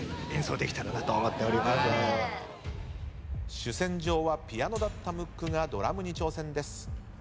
主戦場はピアノだったムックがドラムに挑戦です。